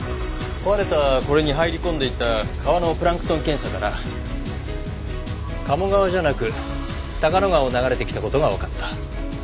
壊れたこれに入り込んでいた川のプランクトン検査から賀茂川じゃなく高野川を流れてきた事がわかった。